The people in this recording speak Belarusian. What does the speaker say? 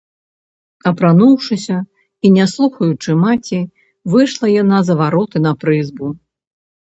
Апрануўшыся і не слухаючы маці, выйшла яна за вароты на прызбу.